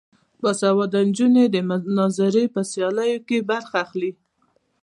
باسواده نجونې د مناظرې په سیالیو کې برخه اخلي.